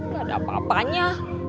gak ada apa apanya